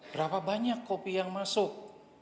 berapa banyak kopi yang masuk